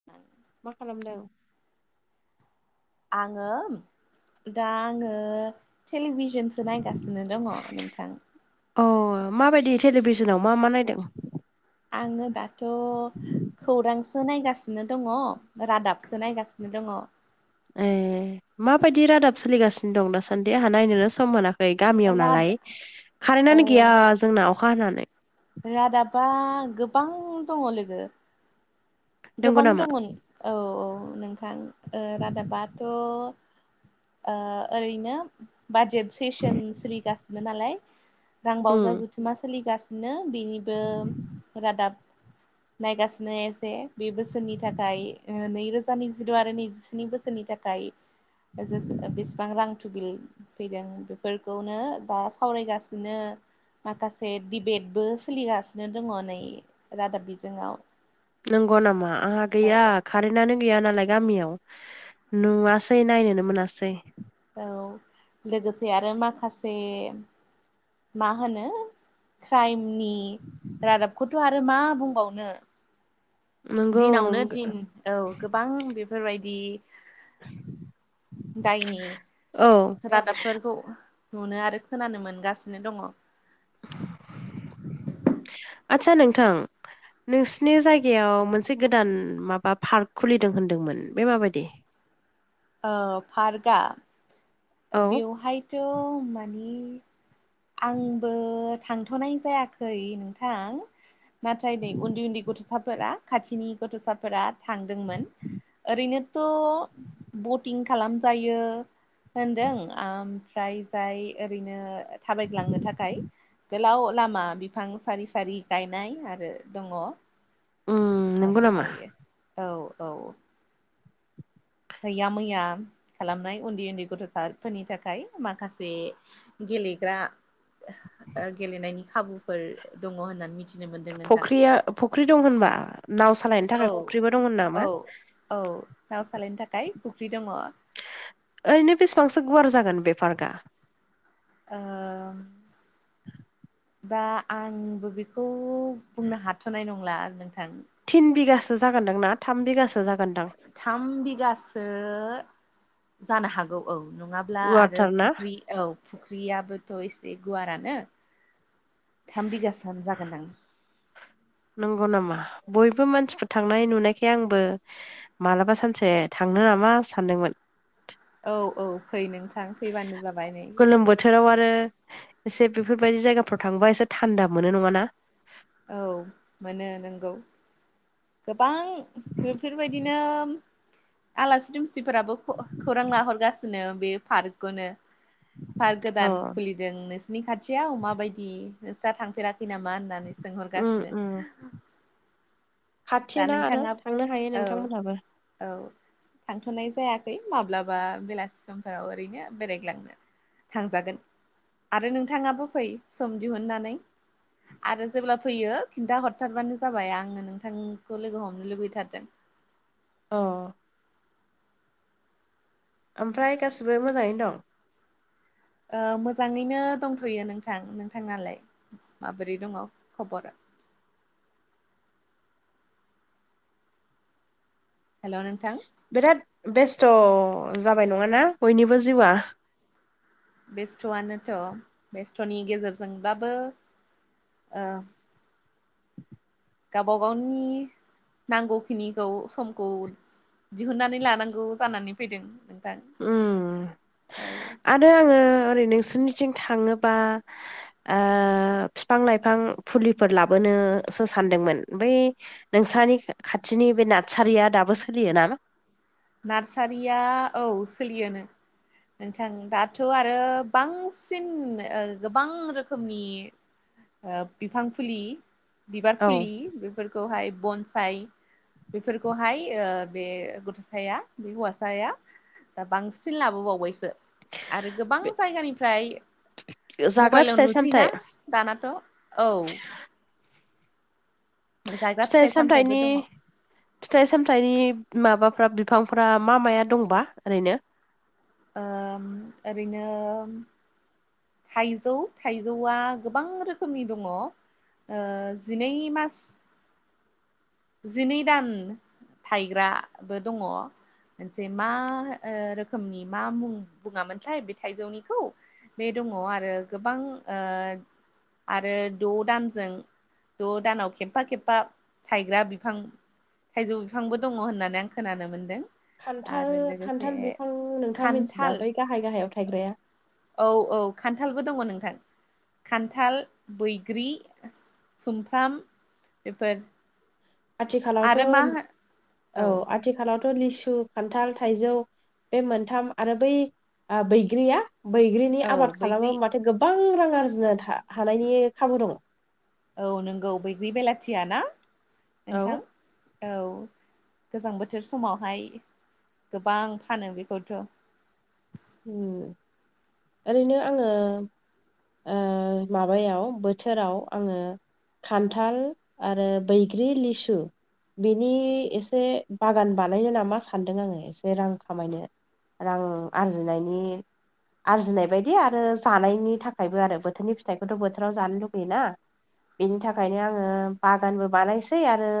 [inaudible] मा खालामदों? आङो दा आङो टेलिभिजन सो नायगासिनो दङ नोंथां। अ माबायदि टेलिभिसनाव मा मा नायदों? आङो दाथ' खौरां सो नायगासिनो दङ रादाबसो नायगासिनो दङ। ए माबायदि रादाब सोलिगासिनो दं दासान्दि? आंहा नायनोनो सम मोना। गामियाव राद नालाय औ कारेन्टआानो गैया जोंना अखा हानानै। रादाबा गोबां दङ लोगो। नंगौ गोबां नामा दंमोन औ औ नोंथां ओ रादाबाथ' ओरैनो बाजेट सेसन सोलिगासिनो नालाय उम रांबावजा जुथुमा सोलिगा बिदिनो बेनिबो रादाब नायगासिनो एसे। बे बोसोरनि थाखाय ओ नैरोजा नैजिद' आरो नैजिस्नि बोसोरनि थाखाय हाजासे ओ बेसेबां रां टुबिल फैदों बेफोरखौनो दा सावरायगासिनो माखासे दिबेटबो सोलिगासिनो दङ नै रादाब बिजोङाव। नंगौ नामा आंहा औ गैया कारेन्टनो गैया नालाय गामियाव नुवासै नायनोनो मोनासै औ लोगोसे आरो माखासे मा होनो क्राइमनि रादाबखौथ' आरो मा बुंबावनो नंगौ दिनावनो दिन औ गोबां बेफोरबायदि दायनि औ रादाब फोरफोरखौ नुनो आरो खोनानो मोनगासिनो दङ आचसा नोंथां नोंसिनि जायगायाव मोनसे गोदान माबा पार्क खुलिदों होनदोंमोन बे माबायदि पार्कआ औ बेवहायथ' मानिे आंबो थांथ'नाय जायाखै नोंथां। नाथाय नै उन्दै उन्दै गथ'साफोरा खाथिनि गथ'साफोरा थांदोंमोन। ओरैनोथ' बटिं खालामजायो होनदों ओमफ्राय जाय ओरैनो थाबायग्लांनो थाखाय गोलाव लामा बिफां सारि सारि गायनाय आरो दङ उम नंगौ नामा ओमफ्राय औ औ हैया मैया खालामनाय उन्दै उन्दै गथ'साफोरनि थाखाय। माखासे गेलेग्रा गेलेनायनि खाबुफोर दङ होननानै मिथि फख्रिया फख्रि दं होनबा नाव सालायनो औ थाखाय फुख्रिबो दंमोन औ नामा? औ नाव सालायनो थाखाय फुख्रि दङ। ओरैनो बेसेबांसो गुवार जागोन बेफारकआ? ओ दा आंबो बेखौ बुंनो हाथ'नाय नंला नोंथां। थिन बिगासो जागोनदां ना थाम बिगासो जागोनदां थाम बिगासो जानो हागौ औ नङाब्ला आरो गुवारथार ना फुख्रि औ फुख्रियाबोथ' एसे गुवारानो थाम बिगासो जागोन दां नंगौ नामा बयबो मानसिफोर थांनाय नुनायखाय आंबो मालाबा सानसे थांनो नामा सानदोंमोन। औ औ फै नोंथां फैबानो जाबाय नै गोलोम बोथोराव आरो एसे बेफोरबायदि जायगाफ्राव थांङोबा एसे थान्दा मोनो नङाना? औ मोनो नोंगौ गोबां बेफोरबायदिनो आलासि दुमसि मानसिफोराबो खौरां लाहरगासिनो बे पार्कखौनो पार्क अ गोदान खुलि जों नोंसनि खाथियाव माबायदि नोंस्रा थांफेराखै नामा? उम हरगासिनो उम खाथि दा ना आरो नोंथाङा थांनो हायो औ नोंथांमोनहाबो औ थांथ'नाय जायाखै माब्लाबा बेलासि समफोराव ओरैनो बेरायग्लांनो। थांजागोन आरो नोंथाङाबो फै सम दिहुननानै आरो जेब्ला फैयो खिन्था हरथारबानो जाबाय आङो नोंथांखौ लोगो हमनो लुबैथारादों। अ ओमफ्राय गासिबो मोजाङैनो दं? ओ मोजाङैनो दंथ'यो नोंथां। नोंथाङालाय माबोरै दङ खबर? हेल' नोंथां बिराद बेस्थ' जाबाय नङाना बयनिबो जिउआ बेस्थ'आनोथ' बेस्थ'नि गेजेरजोंबाबो ओ गावबा गावनि नांगौखिनिखौ समखौ दिहुननानै लानांगौ जानानै फैदों नोंथां औ दा आङो ओरै नोंसोरनिथिं थाङोबा बिफां-लाइफां फुलिफोर लाबोनोसो सानदोंमोन बै नोंसानि खाथिनि बे नादसारिया दाबो सोलियो ना नार्सारिया औ सोलियो नों नोंथां दाथ' आरो बांसिन गोबां रोखोमनि बिफां फुलि, बिबार औ फुलि फोरखौहाय बनसाय बेफोरखौहाय ओ बे गथ' साया हौवासाया ओ बांसिन लाबोबावबायसो। आरो गोबां बे जायगानिफ्राय जाग्रा मबाइलाव फिथाइ सामथाइ नुसैना। दानाथ' औ। जाग्रा फिथाइ सामथाइबो सामथायाइनि। दङ फिथाइ-सामथाइनि माबाफ्रा बिफांफ्रा मा माया दंबा ओरैनो? ओ ओरैनो थाइजौ -थाइजौआ गोबां रोखोमनि दङ। ओ जिनै मास जिनै दान थाइग्राबो दङ। जे मा ओ रोखोमनि मा मुं बुङा मोनथायाय बे थाइजौनिखौ। बे दङ आरो गोबां ओ आरो द' दानजों द' दानाव खेबफा खेबफा। थायग्रा बिफां थाइजौ बिफांबो दङ होननानै आं खोनानो मोनदों। आरो लोगोसे खान्थाल-खान्थाल बिफां नोंथाङा खान्थाल मिथिला बै गाहाय गाहायाव थायग्राया। औ औ खान्थालबो दङ नोंथां खान्थाल, बैग्रि सुमफ्राम बेफोर। आथिखालावथ' आरो मा औ आथ थिखालावथ' लिसु, खान्थाल, थाइजौ बे मोनथाम आरो बै ओ बैग्रिया। बैग्रिनि औ आबाद बैग्रि खालामोबा थाय गोबां रां आरजिनो था हानायनि खाबु दङ। औ नोंगौ बैग्रि बेलाथिया ना औ नोंथां। औ गोजां बोथोर समावहाय गोबां फानो बेखौथ'। उम ओरैनो आङो। ओ माबायाव बोथोराव आङो खान्थाल आरो बैग्रि, लिसु। बिनि एसे बागान बानायो नामा सानदों आङो एसे रां खामायनो। रां आरजिनायनि आरजिनाय बायदि आरो जानायनि थाखायबो आरो बोथोरनि फिथाइखौथ' बोथोराव जानो लुुबैयोना। बेनि थाखायनो आङो बागानबो बानायसै आरो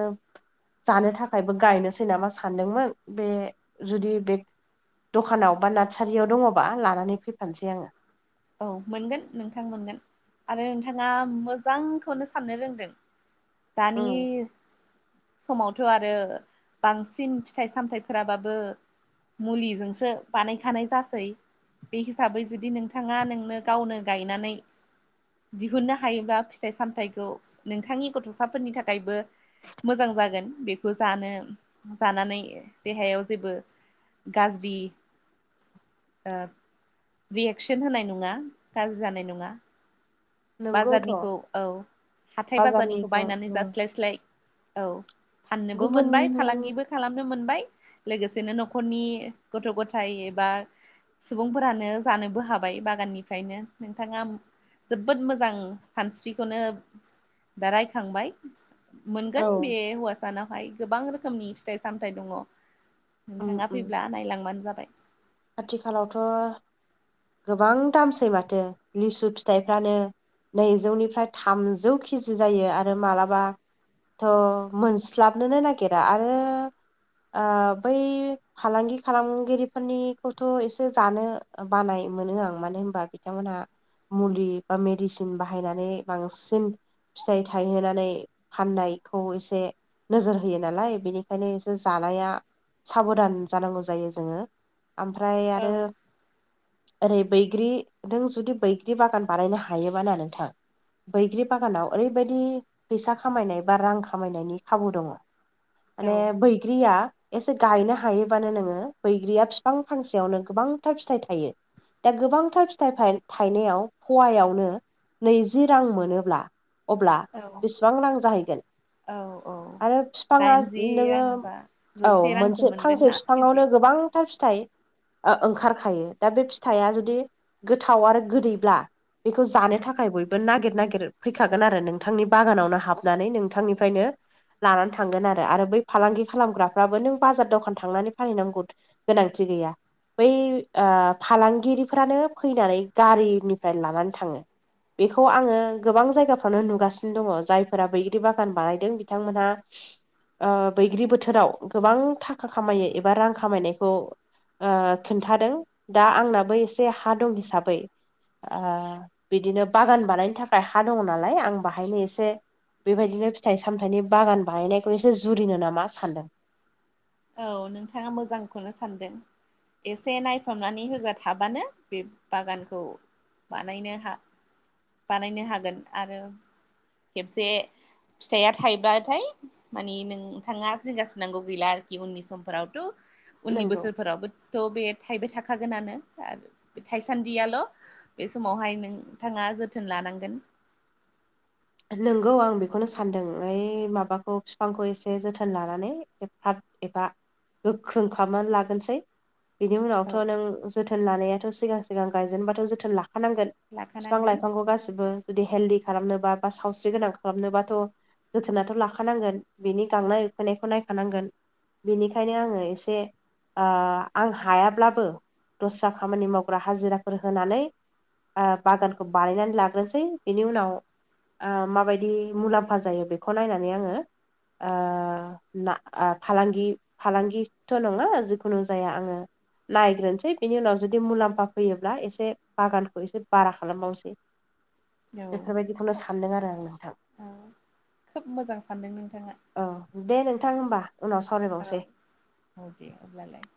जानो थाखायबो गायनोसै नामा सानदोंमोन बे जुदि बे दखानाव बा नार्सारियाव दङबा लानानै फैफानोसै आङो। औ मोनगोन नोंथां मोनगोन। आरो नोंथाङा मोजांखौनो साननो रोंदों दानि उम समावथ' आरो बांसिन फिथाइ- सामथायाइफोराबाबो मुलिजोंसो बानायखानाय जासै बे हिसाबै जुदि नोंथां ङा नोंनो गावनो गायनानै। दिहुननो हायोब्ला फिथाइ-सामथायाइखौ नोंथांनि गथ'साफोरनि थाखायबो मोजां जागोन बेखौ बोजानो जानानै देहायाव जेबो गाज्रि ओब रियेकसन होनाय नङा गाज्रि जानाय नङा। नोंगौथ' बाजारनिखौ औ हाथाय-बाजारनिखौ बाजारनिखौ बायनानै उम जास्लायस्लाय औ। फाननोबो गुबुन मोनबाय फालांगिबो खालामनो मोनबाय लोगोसेनो न'खरनि गथ'-गथाय एबा सुबुंफोरानो जानोबो हाबाय बागाननिफ्रायनो नोंथाङा बोद मोजां सानस्रिखौनो दा रायखांबाय मोनगोन औ बे हौवासानावहाय गोबां रोखोमनि फिथाइ-सामथायाइ दङ। उम नोंथाङा उम फैब्ला नायलांबानो जाबाय। आथिखालावथ' गोबां दामसै माथो लिसु फिथाइफ्रानो नैजौनिफ्राय थामजौ किजि जायो आरो मालाबा थ' मोनस्लाबनोनो नागिरा आरो ओ बै फालांगि खालामगिरिफोरनि खौथ' एसे जानो बानाय मोनो आं मानो होनबा बिथांमोनहा मुलि बा मेडिसिन बाहायनानै बांसिन फिथाइ थायहोनानै फाननायखौ एसे नोजोर होयो नालाय बेनिखायनो एसे जानाया साबधान जानांगौ जायो जोङो ओमफ्राय औ आरो ओरै बैग्रि नों जुदि बैग्रि बागान बानायनो हायोब ना नोंथां बैग्रि बागानाव ओरैबायदि फैसा खामायनाय बा रां खामायनायनि खाबु दङ। माने औ बैग्रिया एसे गायनो हायोबानो नोङो बैग्रिया फि गोबां फांसेयावनो गोबांथार फिथाइ थायो। दा गोबांथार फिथाइ थाय-थाइनायाव पुवायावनो नैजि रां मोनोब्ला अब्ला बेसेबां रां जाहैगोन औ औ आरो बिफाङा दाइनजि नोङो रां बा औ जौसे रांसो मोनसे मोनगोन फांसे ना केजियाव बिफाङावनो गोबां थार फिथाइ ओ ओंखारखायो दा बे फिथाइया जुदि गोथाव आरो गोदैब्ला बेखौ जानो थाखाय बयबो नागिर नागिर फैखागोन आरो नोंथांनि बागानावनो हाबनानै नोंथांनिफ्रायनो लानानै थांगोन आरो आरो बै फालांगि खालामग्राफ्राबो नों बाजार दखान थांनानै फालिनांगौ गोनांथि गैया बै ओ फालांगिरिफ्रानो फैनानै गारिनिफ्राय लानानै थाङो। बेखौ आङो गोबां जायगाफ्रावनो नुगासिनो दङ जायफोरा बैग्रि बागान बानायदों बिथांमोनहा ओ बैग्रि बोथोराव गोबां थाखा खामायो एबा रां खामायनाय खौ ओ खोनथादों दा आंनाबो एसे हा दं हिसाबै ओ बिदिनो बागान बानायनो थाखाय हा दङ नालाय आं बाहायनो एसे बेबायदिनो फिथाइ-सामथाइनि बागान बाहायनायखौ एसे जुरिनो नामा सान्दों। औ नोंथाङा मोजांखौनो सानदों। एसे नायफामनानै होग्रा थाबानो बे बागानखौ बानायनो हा बानायनो हागोन आरो खेबसे फिथाइया थाइब्लाथाय मानि नोंथाङा जिंगासिनांगौ गैला जिउनि समफोरावथ' उननि नोंगौ बोसोरफोरावबो थ' बे थाइबाय थाखागोनानो आ बे थाइसान्दियाल' बे समावहाय नोंथाङा जोथोन लानांगोन। नंगौ आं बेखौनो सानदों ओइ माबाखौ बिफांखौ एसे जोथोन लानानै एसे फाब एबा गोख्रों खालामनानै लागोनोसै बिनि औ उनावथ' नों जोथोन लानायाथ' सिगां सिगां गायजेनबाथ' जोथोन लाखानांगोन बिफां लाखानांगोन लाइफांखौ गासिबो जुदि हेलदि खालामनोबा बा सावस्रि गोनां खालामनोबाथ' जोथोनाथ' लाखानांगोन बिनि गांनाय उखैनायखौ नायखानांगोन बेनिखायनो आङो एसे ओ आं हायाब्लाबो दस्रा खामानि मावग्रा हाजिराफोर होनानै ओ बागानखौ बानायनानै लाग्रोसै बिनि उनाव ओ माबायदि मुलाम्फा जायो बेखौ नायनानै आङो ओ ना ओ फालांगि फालांगिथ' नङा जिखुनु जाया आङो नायग्रोनोसै बेनि उनाव जुदि मुलाम्फा फैयोब्ला एसे बागानखौ एसे बारा खालामबावनोसै [inaudible] औ बेफोरबायदिखौनो सानदों आरो आं नोंथां औ खोब मोजां सानदों नोंथाङा। औ दे नोंथां होमबा उनाव औ। सावरायबावनोसै औ दे अब्लालाय।